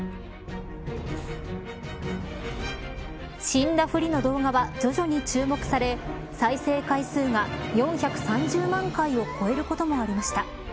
死んだふりの動画は徐々に注目され再生回数が４３０万回を超えることもありました。